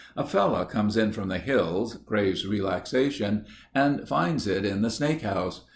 A fellow comes in from the hills, craves relaxation and finds it in the Snake House.